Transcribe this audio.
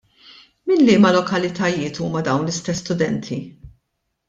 Minn liema lokalitajiet huma dawn l-istess studenti?